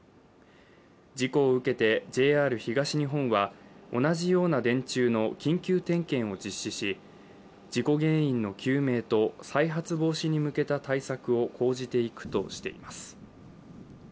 事故を受けて、ＪＲ東日本は同じような電柱の緊急点検を実施し事故原因の究明と再発防止に向けた対策を講じていくとしています。